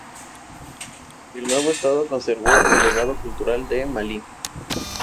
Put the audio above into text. El nuevo Estado conservó el legado cultural de Malí.